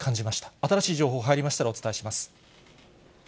新しい情報入りましたらお伝えします。